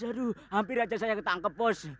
aduh hampir aja saya ketangkep bos